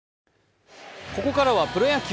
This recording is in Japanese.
ここからはプロ野球。